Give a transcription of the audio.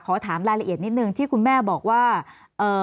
ขอถามรายละเอียดนิดนึงที่คุณแม่บอกว่า